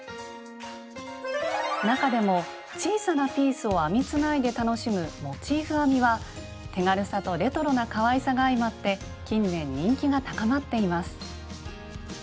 中でも小さなピースを編みつないで楽しむ「モチーフ編み」は手軽さとレトロなかわいさが相まって近年人気が高まっています。